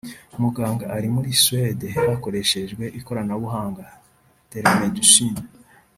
muganga ari muri Suede hakoreshejwe ikoranabuhanga(telemedicine)